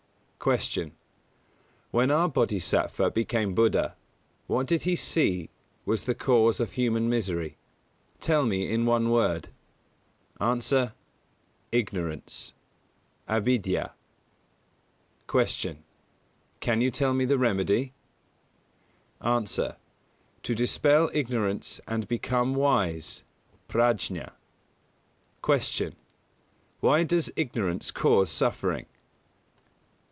116. Q. When our Bōdhisattva became Buddha, what did he see was the cause of human misery? Tell me in one word. A. Ignorance (Avidyā). 117. Q. Can you tell me the remedy? A. To dispel Ignorance and become wise (Prājña). 118. Q. _Why does ignorance cause suffering?